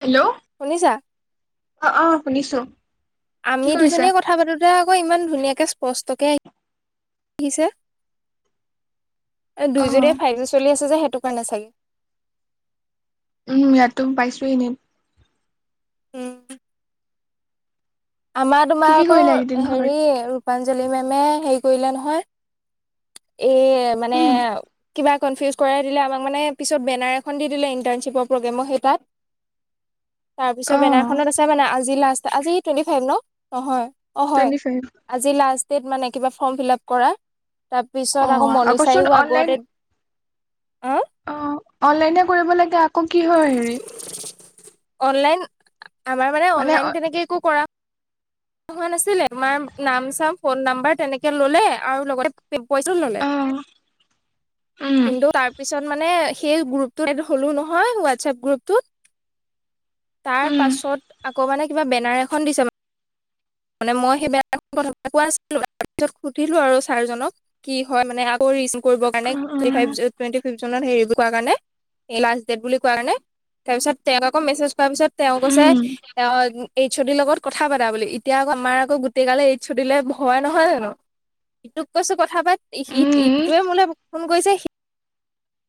Hello, শুনিছা অ অ শুনিছোঁ। আমি দুজনীয়ে কথা পাতো। তে আকৌ ইমান ধুনীয়াকে স্পষ্টকে আহি আহিছে। এক অ দুই জদিয়ে ফাইভাৰ চলি আছে যে সেইটো কাৰণে চাগে। উম, ইয়াতো পাইছোঁ এনে। উম আমাৰ কি তোমাৰ কি আকৌ কৰিলা এইকেইদিন হেৰি। ঘৰত পাঞ্জলি মেমে হেৰি কৰিলে নহয়, এই মানে উম কিবা কনফিউজ কৰাই দিলে আমাক মানে পিছত বেনাৰ এখন দি দিলে ইণ্টাৰ্শ্বিপৰ প্ৰগ্ৰেমৰ সেই তাত। তাৰপিছত অ বেনাৰখনত আছে মানে আজি লাষ্ট, আজি টুৱেটি ফাইভ ন'? নহয়। অ', হয়, টুৱেন্টি ফাইভ আজি লাষ্ট ডেট মানে কিবা ফ'ৰ্ম ফিলাপ কৰা। তাৰপিছত অ আকৌ আকৌচোন মণীষাই ও অনলাইন আগতে অ অ', অনলাইনে কৰিব লাগে, আকৌ কি হয় হেৰি? অনলাইন, আমাৰ মানে অনলাইন তেনেকে একো কৰা হোৱা নাছিলে, তোমাৰ নাম চাম ফোন নাম্বাৰ তেনেকে ল'লে আৰু লগতে পইচাও ললে অ উম কিন্তু তাৰপিছত। মানে সেই গ্ৰুপটোত এড হ'লো নহয় হোৱাটছএপ গ্ৰুপত। তাৰ উম পাছত আকৌ মানে কিবা বেনাৰ এখন দিছে। মানে মই সেই বেয়া ভাৱত কথাটো কোৱা নাছিলো। তাৰপিছত সুধিলো আৰু ছাৰজনক কি হয় মানে আকৌ কৰিব কাৰণে um three um five twenty [unintelligible] কাৰণে এই লাষ্ট ডেট বুলি কোৱা কাৰণে তাৰ পিছত তেওঁক আকৌ মেছেজ কৰাৰ পিছত তেওঁ কৈছে উম এইচ অ' দি লগত কথা পাতা বুলি এতিয়া আকৌ আমাৰ আকৌ গোটেই গালে এইচ অ' দি লে ভয় নহয় জানো ইটোক কৈছো কথা পাত উম ইটোৱে মোলে ফোন কৰিছে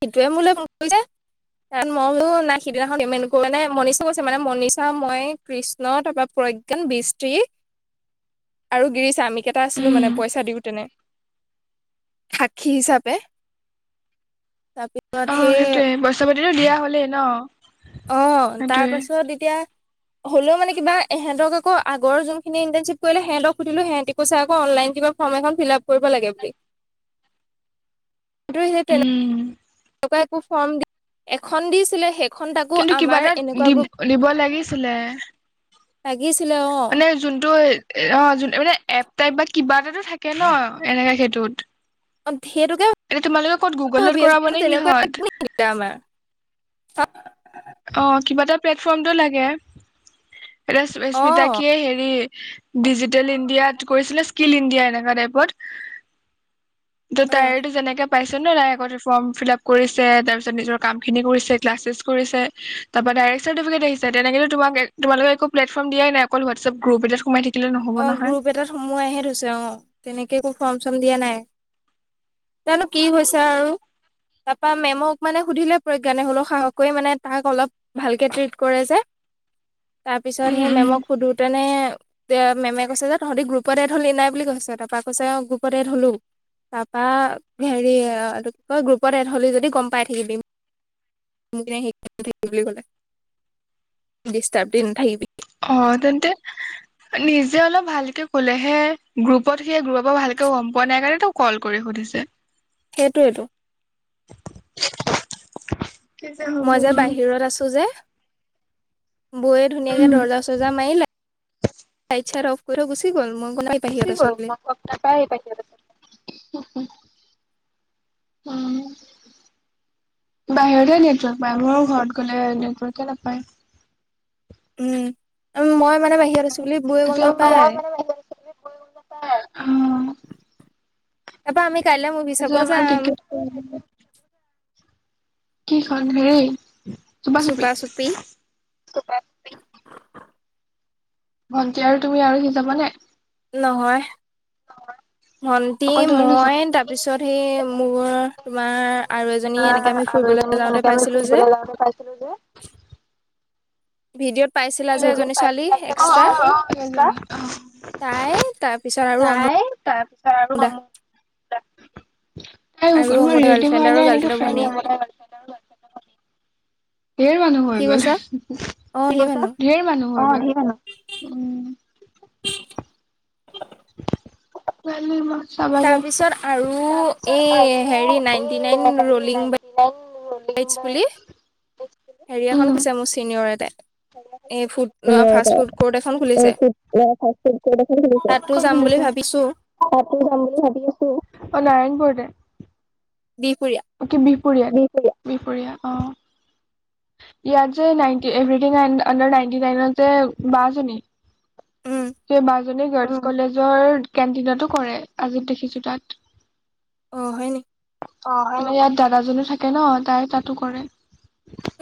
সিটোৱে মোলে ফোন কৰিছে। মই বোলো নাই সিদিনাখন পেমেণ্ট কৰি মানে মনিষাও গৈছে মানে মনিষা, মই, কৃষ্ণ তাৰপৰা প্ৰ প্ৰজ্ঞান, বৃষ্টি আৰু গিৰিছা আমি কেইটা আছিলো উম মানে পইচা দিও তেনে সাক্ষী হিচাপে তাৰপিছত অ সেই সেইটোয়ে পইচা দিয়া হলেই ন। অ তাৰ সেইটোয়ে পাছত ইতিয়া হ'লেও মানে কিবা এহেতক আকৌ আগৰ যোনখিনি ইণ্টাৰ্শ্বিপ কৰিলে সেহেতক সুধিলো সেহেতি কৈছে আকৌ অনলাইন কিবা ফৰ্ম এখন ফিলাপ কৰিব লাগে বুলি টো হেই তেনেক উম তেনেকুৱা একো ফৰ্ম দি, এখন দিছিলে হেই কিন্তু কিবা এটা দিব-দিব লাগিছিলে। লাগিছিলে অ মানে যোনটো অ যোনে মানে এপ টাইপ বা কিবা এটাতো থাকে ন এনেকে সেইটোত অ সেইটোকে এতিয়া তোমালোকে ক'ত গুগলত ভাবি আছো কৰাব কিন্তু নে তেনেকুৱা কিহত [unintelligible] আমাৰ অ। অ কিবা এটা প্লেটফৰ্মটো লাগে। অ স্মিতাকিয়ে হেৰি ডিজিটেল ইণ্ডিয়াত কৰিছিলে স্কিল ইণ্ডিয়া এনেকা টাইপত ত' অ তাইৰ এইটো যেনেকা পাইছে নে নাই আগতে ফৰ্ম ফিলাপ কৰিছে তাৰ পিছত নিজৰ কাম খিনি কৰিছে ক্লাছেছ কৰিছে। তাৰপৰা ডাইৰেক্ট চাৰ্টিফিকেট আহিছে তেনেকেতো তোমালোকক একো প্লেটফৰ্ম দিয়াই অকল হোৱাটছএপ গ্ৰুপ এটাত সোমাই থাকিব অ গ্ৰুপ এটাত সোমোৱাইহে থৈছে অ তেনেকে একো ফৰ্ম চৰ্ম দিয়া নাই। জানো কি হৈছে আৰু তাৰপা মেমক মানে সুধিলে প্ৰজ্ঞানে হ'লেও সাহস কৰি তাক অলপ ভালকে ট্ৰিট কৰে যে, তাৰপিছত উম সেই উম মেমক সোধোতেনে এ মেমে কৈছে যে তহঁতি গ্ৰুপত এড হলি নাই বুলি কৈছে। তাৰপৰা কৈছে গ্ৰুপত এড হ'লো। তাৰপা হেৰি এইটো কি কয় গ্ৰুপত এড হলি যদি গম পাই থাকিবি [unintelligible] সেই বুলি ক'লে। ডিষ্টাৰ্ব দি নাথাকিবি অ, তেন্তে নিজে অলপ ভালকে ক'লেহে গ্ৰুপত সেই গ্ৰুপৰ ভালকে গম পোৱা নাই কাৰণেতো কল কৰি সুধিছে। সেইটোৱেটো কেতিয়া হ'ব মই যে আৰু বাহিৰত আছো যে বৌয়ে ধুনীয়াকে উম দৰ্জা চৰ্জা মাৰি লাইট চাইট অফ কৰি থৈ গুচি গ'ল মোক [unintelligible] উম, বাহিৰতে নেটৱৰ্ক পায় মোৰ ঘৰত গলে নেটৱৰ্কে নাপায় উম মই মানে বাহিৰত আছো। [unintelligible] বৌৱে আজি গম আমাৰ অ' নাপায়। তাৰপা আমি কাইলে মোভি আজি চাব আমাৰ যাম। টিকেট কিখন হেই চুপা চুপি। ভণ্টি আৰু তুমি আৰু সি যাব নে? নহয়। ভণ্টি অকল তোমালোক মই দুজনী? তাৰপিছত সেই মোৰ তোমাৰ আৰু এজনী এনেকে আমি ফুৰিবলৈ যাওঁতে পাইছিলো যে, ভিডিঅ'ত পাইছিলা যে এজনী [inaudible] ছোৱালী পাইছিলা যে অ', এক্সট্ৰা অ', অ', ৰিস্কা [inaudible] তাই তাৰ পিছত আৰু তাই অমুদা তাৰ তাই [inaudible] আৰু কোনোবা মোৰ ৰিলেটিভ হয় নে গাৰ্লফ্ৰেণ্ডৰ' এনেকে গাৰ্লফ্ৰেণ্ডৰ ফ্ৰেণ্ড হয়। ভনীয়েক। ঢেৰ মানুহ হৈ কি গ'ল। কৈছা অ কি সেই কৈছা? মানুহ ঢেৰ মানুহ। অ', ঢেৰ মানুহ। উম। [inaudible] চাবা দে। তাৰপিছত আৰু তাৰপিছত এই আৰু হেৰি এ, হেৰি নাইনটি নাইন এইটছ পুলিহ। হেৰিয়াখন উম, কৈছে মোৰ ছিনিয়ৰ এটাই। এ, ফুড না, ফাষ্ট ফুড কৰো দেখ [unintelligible] ক'ত তাতো যাম বুলি খুুলিছে। ভাবিছো তাতে যাম বুলি ভাবি আছোঁ অ নাৰায়ণপুৰতে। বিহপুৰীয়া অ, কি বিহপুৰীয়া, বিপুৰীয়া বিপুৰীয়া অ'। ইয়াত যে নাইনটি এভ্ৰিথিং আন-আণ্ডাৰ নাইনটি নাইনত যে বা জনী। উম কে বাগ এজনে গাৰ্লচ কলেজৰ কেন্টিনতো কৰে আজি দেখিছোঁ তাত। অ, হয় নিকি। মানে ইয়াত দাদাজনো থাকে ন, তাই তাতো কৰে,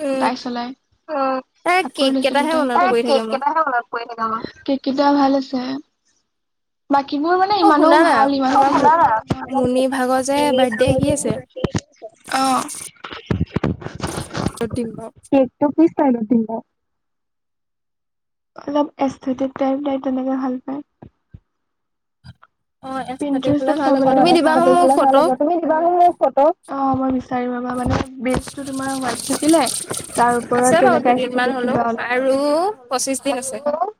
উম দাই চলায় ও। তাৰ আকৌ কেক লিখিদো কেইটাহে তাই। এ, মনত পৰি কেক থাকে মোৰ কেটাহে মনত পৰি থাকে অন'। কেক কিটা ভাল হৈছ যে, বাকি কিবোৰ মানে অ ইমানো শুনা না ভাল ইমানো অ', আমাৰ শুনা না মুনি ভাগৰ যে বাৰ্থডে আহি আছে [inaudible] অ, য'ত দিম বাৰু কিকটো পিছ [inaudible] অলপ এস্থেতিক টাইপ তাই তেনেকে ভাল পায়। অ এক্সট্ৰা কে খোলা প্ৰিনত্ৰেচত ভাল হ'ব চাবলে তুমি দিবা হো [unintelligible] মোক পোৰা ভাল ফটো হ'ব। তুমি কিবা মূলে ফট' অ', মই বিচ [unintelligible] মানে বেচটো তোমাৰ হোৱাইট থাকিলে। তাৰ ওপৰত তেনেকা স্থিতি কিবা অল ও, পঁচিছ আৰু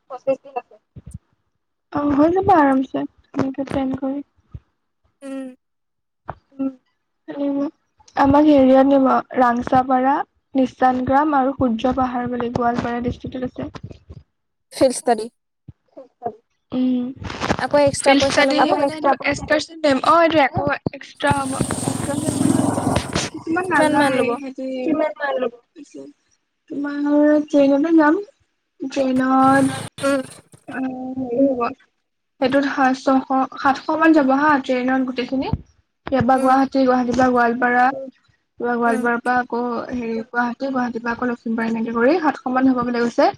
পঁচিছ দিন আছে। অ', হৈ যাব আৰামচে তেনেকে প্লেন কৰি। উম। উম, তুমি মোক আমাক হেৰিয়াত নি'ব ৰাংচাপাৰা, নিচান গ্ৰাম, আৰু সূৰ্য পাহাৰ বুলি গোৱালপাৰা দি [unintelligible] আছে। Field study. উম। আকৌ এ ফিল্ড ষ্টাডী [unintelligible] অ', আকৌ এইটো এক্সষ্টা হ'ব। [unintelligible] ইমান কিমান মান নাযায় ল'ব সিহঁতি [unintelligible] তোমাৰ ট্ৰেইনতে যাম ট্ৰেইনত। উম অ', হেৰুৱা। সেইটোত সাছ ছশ সাতশমান যাব হা ট্ৰেইনত গোটেইখিনি। ইয়াপা উম গুৱাহাটী গুৱাহাটীৰ পৰা গোৱালপাৰা। [unintelligible] উম গোৱালপাৰাৰ পাৰা আকৌ হেৰি গুৱাহাটী, গুৱাহাটী পা, আকৌ লখিমপাৰ এনেকে কৰি সাতশ মান হ'ব বুলি কৈছে।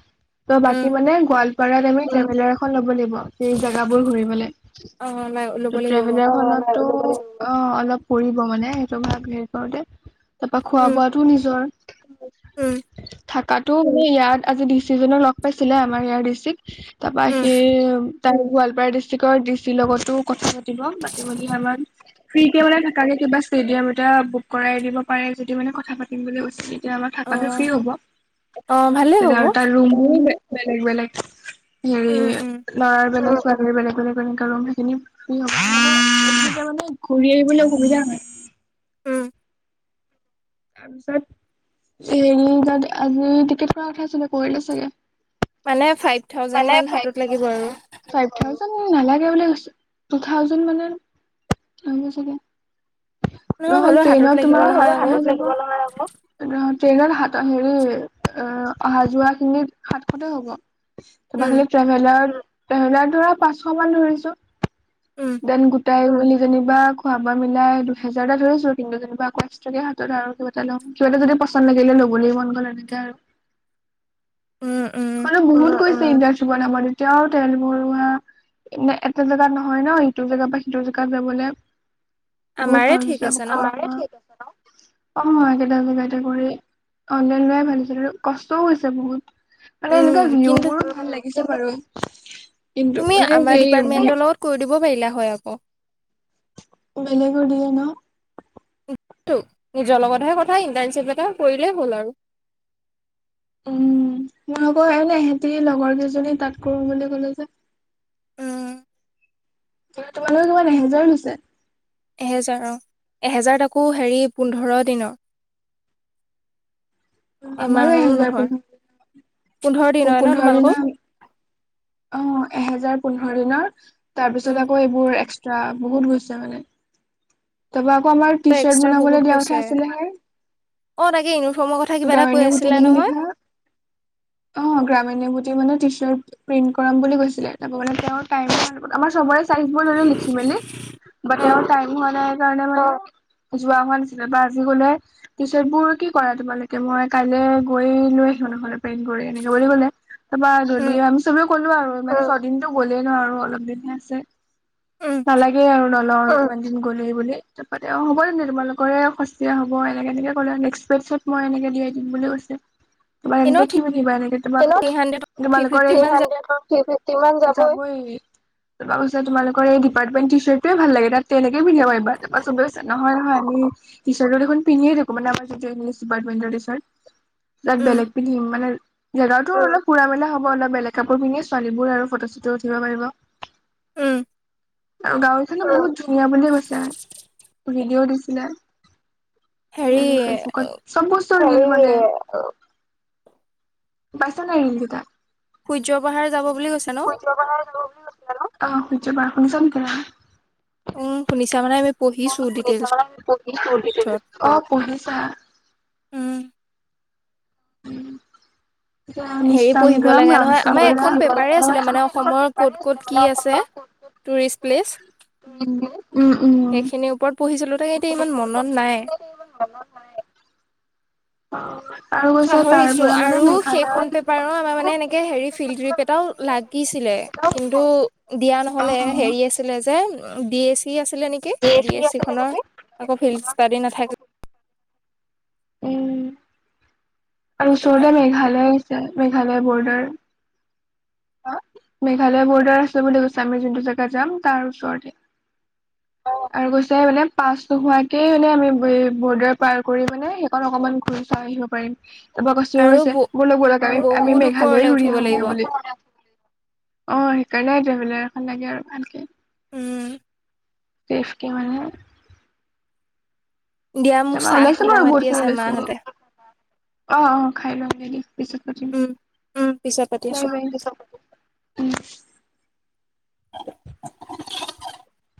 ত' উম বাকী মানে গোৱালপাৰাত আমি ট্ৰেভেলাৰ এখন ল'ব লাগিব সেই জেগাবোৰ ঘূৰিবলৈ। অ ল'ব ত' লাগিব বাৰু ট্ৰেভিলাৰখনতটো অ', অলপ পৰিব মানে সেইটো ভাগ হে কৰোঁতে। তাপা খোৱা উম বোৱাটো উম নিজৰ। থাকাতো মানে ইয়াত আজি ডিচি জনে লগ পাইছিলে আমাৰ ইয়াৰ ডিচিক। তাৰপা উম। সেইম তাৰ গোৱালপাৰা ডিষ্ট্ৰিক্টৰ ডি চিৰ লগতো কথা পাতিব মাতি মেলি আমাক ফ্ৰী কে মানে থাকাকে কিবা ষ্টেডিয়াম এটা বুক কৰাই দিব পাৰে যদি মানে কথা পাতিম বুলি কৈছিলে। এতিয়া আমাৰ থকাটো অ', ফ্ৰি হ'ব অ', ভালেই তেতিয়া হ'ব। আৰু তাৰ ৰুমো বেলেগ বেলেগ হেৰি উম, উম, লৰাৰ বিলাক বেলেগ বেলেগ সেইখিনি ফ্ৰী হব তেতিয়া মানে ঘূৰি আহিবলৈ সুবিধা হয় উম, তাৰপিছত হেৰি তাত আজি টিকেট কৰাৰ কথা চাগে কৰিলে চাগে। মানে ফাইট মানে ফাইব থাউজেণ্ড এটা [unintelligible] ফাইব থাউজেণ্ড উম, নালাগে বুলি কৈছ টু থাউজেণ্ড মানে [unintelligible] নহয় হ'লেও হাতত ট্ৰেইনত লাগিব তোমাৰ নহয় আকৌ। [unintelligible] ট্ৰেইনত হাত হেৰি এ অহা যোৱাখিনিত সাতশতে হ'ব। তাৰপা উম, খালি ট্ৰেভেলাৰ, ট্ৰেভেলাৰটোৰো পাঁচশ মান ধৰিছোঁ উম, দেন গোট চাই মেলি যেনিবা খোৱা বোৱা মিলাই দুহেজাৰ এটা ধৰিছো কিন্তু যেনিবা আকৌ একস্টাকে হাতত আৰু কিবা এটা লম কিবা এটা যদি পচন্দ লাগিলে ল'বলৈ মন গ'ল এনেকে [inaudible] উম, হয় বহুত গৈছে ইণ্ডাৰ চুব নামত তেতিয়াও তেল বৰুৱা [unintelligible] মে এটা জেগাত নহয় ন ইটো জেগা পা সিটো জেগাত যাবলে বহুত আমাৰে খৰচ ঠিক হৈছে আছে ন? [unintelligible] টা জেগাতে কৰি অনলাইন লোৱাই ভাল আছিলে কষ্টও হৈছে বহুত মানে উম, এনেকুৱা কিন্তু ভিউবোৰো ভাল লাগিছে বাৰু। কিন্তু মানে হেৰি ম কব পাৰিলা হয় আকৌ ওলালে কৈ দিবা ন নিজৰ লগতহে কথা ইন্টাৰ্নশ্বিপ এটা কৰিলে হ'ল আৰু উম মই আকৌ এনে ইহেঁতি লগৰ কেইজনী তাত কৰো বুলি কলে যে উম, তোমালোকৰ কিমান এহেজাৰ লৈছে এহেজাৰ অ এহেজাত আকৌ হেৰি পোন্ধৰ দিনৰ আমাৰো এমাহৰো এহেজাৰ নহয়, পোন্ধৰ দিনৰে ন পোন্ধৰ তোমালোকৰ? দিনৰ অ', এহেজাৰ পোন্ধৰ দিনৰ তাৰ উম, পিছত আকৌ এইবোৰ এক্সট্ৰা বহুত গৈছে মানে তাপা কৌ আমাৰ টি শ্বাৰ্ট এক্সট্ৰা বহুত বনাবলৈ দিয়া গৈছে। উঠা আছিলেহে। অ', তাকে ইউনিফৰ্মৰ কথা কিবা এটা কৈ গ্ৰামিণী হুটি আছিলা বুলি নহয়? লিখা অ গ্ৰামিণী যি মানে টি শ্বাৰ্ট প্ৰিন্ট কৰাম বুলি কৈছিলে তাৰপা মানে তেওঁৰ টাইম [unintelligible] আমাৰ চবৰে তাৰিখবোৰ মানে লিখি মেলি বা তেও অ', টাইম হোৱা নাই কাৰণে মাই যোৱা হোৱা নাছিলে বা আজি গ'লে টি শ্বাৰ্ট বোৰ কি কৰাই দিব লাগ এতিয়া মই কাইলৈ গৈ লৈ আহিলো নহ'লে প্লেন কৰি এনেকে বুলি ক'লে তাপা উম। যদিহে আমি চবে ক'লো আৰু ছদিনতো গ'লেই ন অলপ দিনহে আছে উম, নালাগে আৰু নলও গিন গ'লে বুলি তাৰপা তে অ', হ'ব তেন্তে তোমালোকৰে সস্তীয়া হ'ব এনেকে এনেকে ক'লে নেক্সট [unintelligible] মই এনেকে দিয়াই দিম বুলি কৈছে। এনেও তোমালোকে কি পিন্ধিবা এনেকে তোমাৰ থ্ৰী হাণ্ড্ৰেড থ্ৰী তোমালোকৰ [unintelligible] ফিফটি তই আকৌ মান যাব। আহিবি তাপা কৈছে তোমোকৰ এই গিপাৰটমেন্টৰ চাৰ্টটোয়ে ভাল লাগে তাত তেনেকে পিন্ধিব পাৰিবা তাপা চবেই কৈছে নহয় নহয় আমি ওনো টিচাৰে দেখোন পিন্ধাই দেখো মানে আমাৰ যিটো ইংলি [unintelligible] পিছত তাত উম, বেলেগ পিন্ধিম মানে জেগাটো অলপ ফুৰা মেলা হ'ব অলপ বেলেগ কাপোৰ পিন্ধি ছোৱালীবোৰ আৰু ফটো চটো উঠিব পাৰিব। উম। আৰু গাঁও খনো বহুত ধুনীয়া বুলিয়ে কৈছে ভিডিঅ' দিছিলে হেৰি ফেচবুকত চব বস্তু মানে পাইছা নাই ইহত দুটা সূৰ্য পাহাৰ যাব বুলি কৈছে [unintelligible] ন অ', শুনছোঁ বাৰু শুনিছ' নে [unintelligible] উম, শুনিছা মানে আমি অ, পঢ়িছো ডিটেইলছত। পঢ়িছা। উম। উম। হেৰি পঢ়িব লাগে নহয়। আমাৰ এখন পেপাৰে আছিলে মানে, অসমৰ ক'ত ক'ত কি আছে। Tourist place. উম উম উম সেইখিনিৰ ওপৰত পঢ়িছিলো, তাক এতিয়া ইমান মনত নাই। অহ। পাহৰিছো আৰু সেইখন পেপাৰো আমাৰ মানে, এনেকে হেৰি ফিল্ড ট্ৰিপ এটাও লাগিছিলে। কিন্তু দিয়া অ নহলে হেৰি আছিলে যে, বি এ চি আছিল আছিলে নেকি ডি এছ চি খনৰ আকৌ ফিল্ড ষ্টাডি নাথাকিল। উম। আৰু সেইটো ওচৰতে কাৰণে। মেঘালয় আছে, মেঘালয় বৰ্ডাৰ। মেঘালয় বৰ্ডাৰ আছে বুলি কৈছে, আমি যোনটো জেগা যাম, তাৰ ওচৰতে। [inaudible] আৰু কৈছে মানে পাচ নোহোৱাকে মানে, আমি বৰ্ডাৰ পাৰ কৰি মানে, সেইখন অকমান ঘূৰি। আহিব পাৰিম তাৰপৰা কস্তূৰি আৰু কৈছে, ব বলক বলা কাৰিম আমি বহুত ওপৰলে মেঘালয়ে ঘূৰি উঠিব লাগিব। আহোগে বুলি। অহ, সেইকাৰে ট্ৰেভেলাৰ এখন লাগে আৰু ভালকে। উম। টেফকি মানে? দিয়া মোক তাৰপৰা চাহ খাব ওলাইছিলো আৰু মাতি বহুত খিনি আছে ওলাইছিলো। মাহঁতে। অহ, অহ, খাই লায় মেলি পিছত পাতিম। উম, উম, পিছত পাতি আছো। [unintelligible] পিছত পাতিম, উম। [unintelligible]